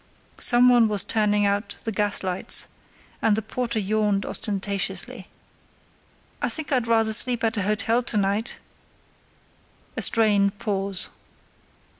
Someone was turning out the gaslights, and the porter yawned ostentatiously. "I think I'd rather sleep at an hotel to night." A strained pause.